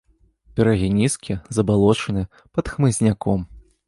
Берагі нізкія, забалочаныя, пад хмызняком.